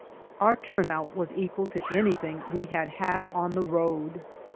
Our turn out was equal to anything we had had on the road.